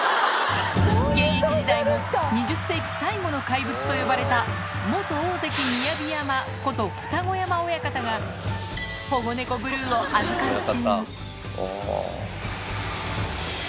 現役時代、２０世紀最後の怪物と呼ばれた、元大関・雅山こと、二子山親方が保護猫、ブルーを預かり中。